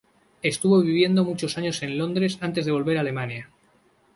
Estuvo viviendo muchos años en Londres antes de volver a Alemania.